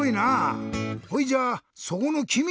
ほいじゃあそこのきみ！